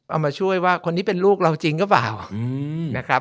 เอามาช่วยว่าคนนี้เป็นลูกเราจริงหรือเปล่านะครับ